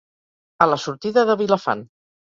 A la sortida de Vilafant.